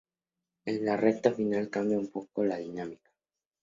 En la recta final cambiaba un poco la dinámica.